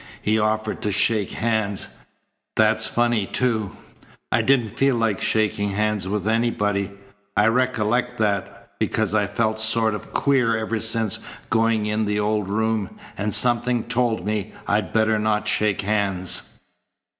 He offered to shake hands. That's funny, too. I didn't feel like shaking hands with anybody. I recollect that, because I'd felt sort of queer ever since going in the old room, and something told me I'd better not shake hands."